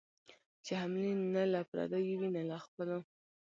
چي حملې نه له پردیو وي نه خپلو